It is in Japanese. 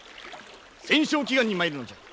戦捷祈願に参るのじゃ。